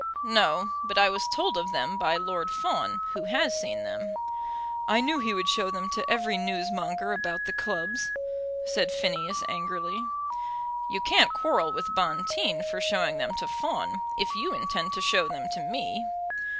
"No; but I was told of them by Lord Fawn, who has seen them." "I knew he would show them to every newsmonger about the clubs," said Phineas angrily. "You can't quarrel with Bonteen for showing them to Fawn, if you intend to show them to me."